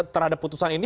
terhadap putusan ini